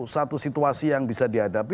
satu situasi yang bisa dihadapi